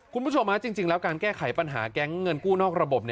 คุณผู้ชมจริงแล้วการแก้ไขปัญหาแก๊งเงินกู้นอกระบบ